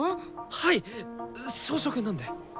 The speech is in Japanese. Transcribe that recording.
はい小食なんで。